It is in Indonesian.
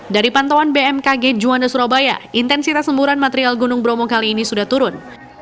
dari pantauan bmkg juanda surabaya intensitas semburan material gunung bromo kali ini sudah turun